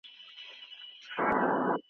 څېړونکو نتيجه اخيستې ده.